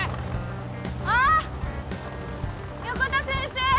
あっ横田先生